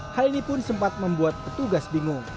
hal ini pun sempat membuat petugas bingung